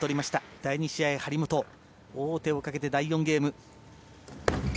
第２試合は張本王手をかけて第４ゲーム。